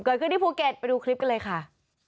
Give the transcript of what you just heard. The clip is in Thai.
เกิดขึ้นที่ภูเก็ตไปดูคลิปกันเลยค่ะ